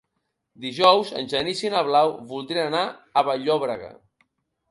Dijous en Genís i na Blau voldrien anar a Vall-llobrega.